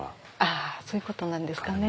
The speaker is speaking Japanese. あそういうことなんですかね。